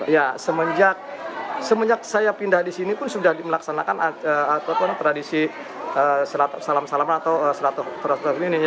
ya semenjak saya pindah di sini pun sudah dimelaksanakan tradisi salam salam atau sholat ur rahmi